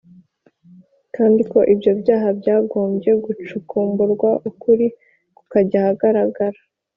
kandi ko ibyo byaha byagombye gucukumburwa ukuri kukajya ahagaragara.